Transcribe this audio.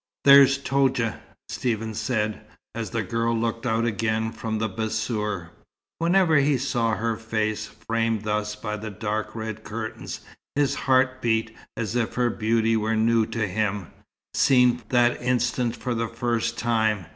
"There's Toudja," Stephen said, as the girl looked out again from the bassour. Whenever he saw her face, framed thus by the dark red curtains, his heart beat, as if her beauty were new to him, seen that instant for the first time.